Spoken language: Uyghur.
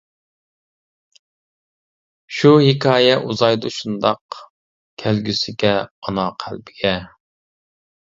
شۇ ھېكايە ئۇزايدۇ شۇنداق، كەلگۈسىگە ئانا قەلبىگە.